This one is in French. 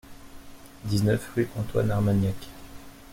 dix-neuf rue Antoine Armagnac